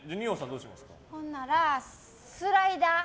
ほんなら、スライダー。